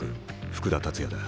福田達也だ。